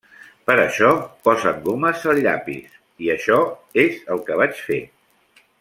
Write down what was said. Per això posen gomes a llapis, i això és el que vaig fer.